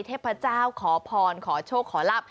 เทพเจ้าขอพรขอโชคขอลาบ